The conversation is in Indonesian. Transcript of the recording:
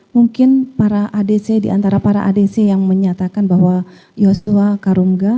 mungkin para adc diantara para adc yang menyatakan bahwa yosua karungga